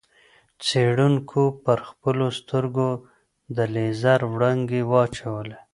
څېړونکو پر خپلو سترګو د لېزر وړانګې واچولې.